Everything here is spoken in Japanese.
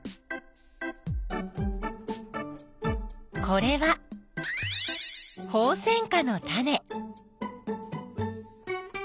これはホウセンカのタネ。